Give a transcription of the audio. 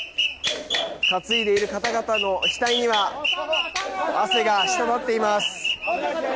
担いでいる方々の額には汗が滴っています。